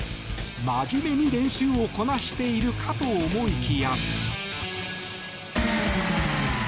真面目に練習をこなしているかと思いきや。